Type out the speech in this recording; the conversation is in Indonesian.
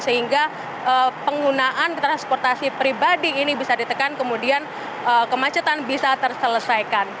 sehingga penggunaan transportasi pribadi ini bisa ditekan kemudian kemacetan bisa terselesaikan